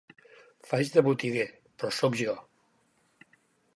Faig de botiguer, però soc jo.